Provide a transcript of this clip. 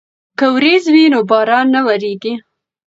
که وریځ وي نو باران نه وریږي.